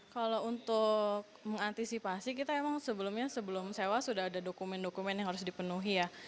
kalau untuk mengantisipasi kita emang sebelumnya sebelum sewa sudah ada dokumen dokumen yang harus dipenuhi ya